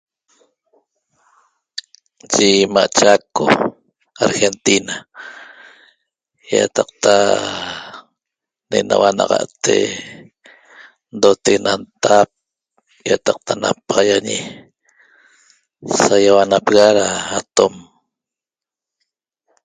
eye ima CHACO , ARGENTINA yietaqta enaua nagate ndotaguet ena ntap yatacta yapagañi sacaihuana plaga atom